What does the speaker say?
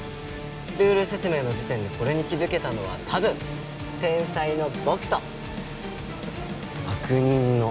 ルール説明の時点でこれに気づけたのは多分天才の僕と悪人の。